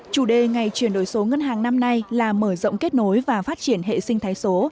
chủ đề ngày chuyển đổi số ngân hàng năm nay là mở rộng kết nối và phát triển hệ sinh thái số